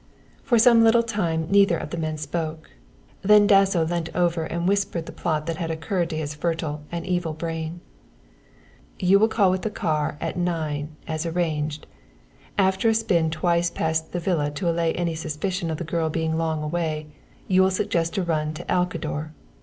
For some little time neither of the men spoke, then Dasso leant over and whispered the plot that had occurred to his fertile and evil brain. "You will call with the car at nine, as arranged. After a spin twice past the villa to allay any suspicion of the girl being long away, you will suggest a run to Alcador.